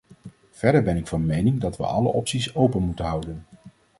Verder ben ik van mening dat we alle opties open moeten houden.